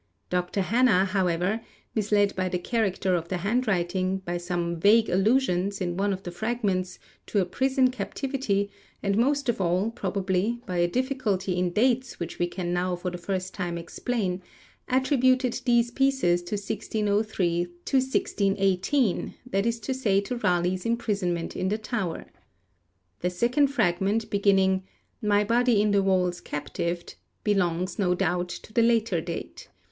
Dr. Hannah, however, misled by the character of the handwriting, by some vague allusions, in one of the fragments, to a prison captivity, and most of all, probably, by a difficulty in dates which we can now for the first time explain, attributed these pieces to 1603 1618, that is to say to Raleigh's imprisonment in the Tower. The second fragment, beginning 'My body in the walls captived,' belongs, no doubt, to the later date.